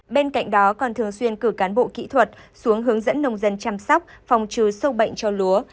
bên cạnh đó còn thường xuyên cử cán bộ kỹ thuật xuống hướng dẫn nông dân chăm sóc phòng trừ sâu bệnh cho lúa